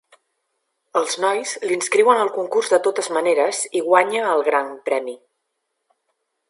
Els nois l'inscriuen al concurs de totes maneres i guanya el gran premi.